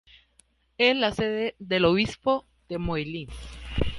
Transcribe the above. Es la sede del obispo de Moulins.